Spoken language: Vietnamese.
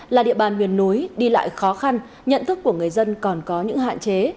là địa bàn miền núi đi lại khó khăn nhận thức của người dân còn có những hạn chế